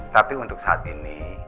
tapi untuk saat ini